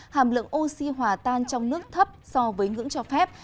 hàm lượng oxy hòa tan trong nước thấp so với ngưỡng cho phép